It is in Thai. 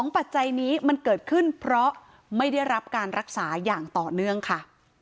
ปัจจัยนี้มันเกิดขึ้นเพราะไม่ได้รับการรักษาอย่างต่อเนื่องค่ะ